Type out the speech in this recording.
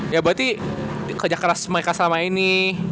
ya berarti kerja keras mereka selama ini